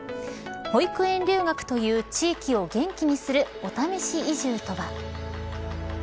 保育園留学という地域を元気にするお試し移住とは。